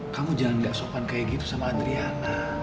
kamu jangan gak sopan kayak gitu sama adriana